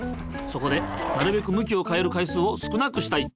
そこでなるべく向きを変える回数を少なくしたい。